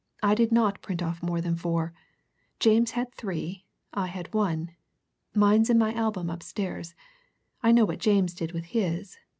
I did not print off more than four. James had three; I had one. Mine's in my album upstairs. I know what James did with his.